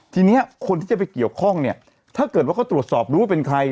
ทีนี้คนที่จะไปเกี่ยวข้องเนี่ยถ้าเกิดว่าเขาตรวจสอบรู้ว่าเป็นใคร